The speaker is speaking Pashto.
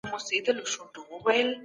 خلک د ژبې په اهميت پوه کړئ.